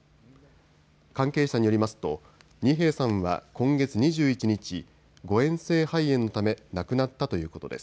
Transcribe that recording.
関係者によりますと二瓶さんは今月２１日、誤えん性肺炎のため亡くなったということです。